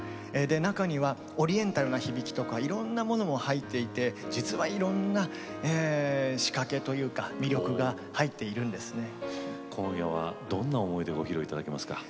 中にはオリエンタルな響きとかいろいろなものも入っていて実はいろいろな仕掛けというか今夜はどんな思いでご披露いただけますか？